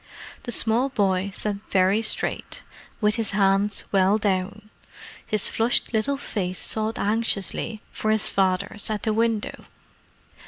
The small boy sat very straight, with his hands well down. His flushed little face sought anxiously for his father's at the window.